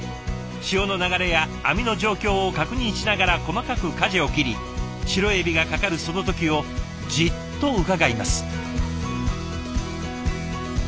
潮の流れや網の状況を確認しながら細かくかじを切りシロエビがかかるその時をじっとうかがいます。